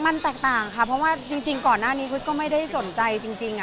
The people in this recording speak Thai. มันแตกต่างค่ะเพราะว่าจริงก่อนหน้านี้คริสก็ไม่ได้สนใจจริง